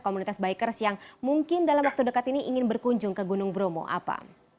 komunitas bikers yang mungkin dalam waktu dekat ini ingin berkunjung ke gunung bromo apa